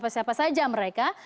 tiga saja mereka